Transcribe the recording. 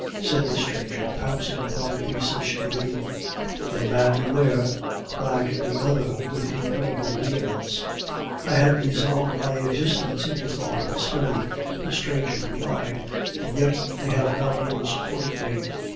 said the stranger, pouncing upon the piece of shagreen. "Young man, beware!" cried the other with incredible vehemence. "I had resolved my existence into thought and study," the stranger replied; "and yet they have not even supported me.